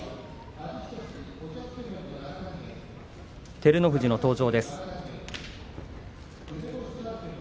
照ノ富士の登場です。